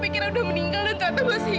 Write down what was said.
segitunya banget sih